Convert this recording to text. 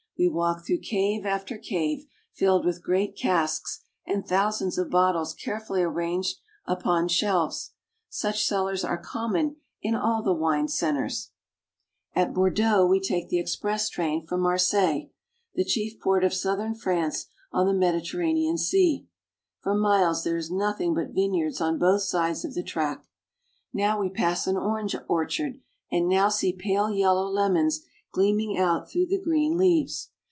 We walk through cave after cave, filled with great casks, and thou sands of bottles carefully arranged upon shelves. Such cellars are common in all the wine centers. COMMERCIAL AND MANUFACTURING FRANCE. 99 At Bordeaux we take the express train for Marseilles, the chief port of southern France, on the Mediterranean Sea. For miles there is nothing but vineyards on both sides of the track. Now we pass an orange orchard, and now see pale yellow lemons gleaming out through the green leaves.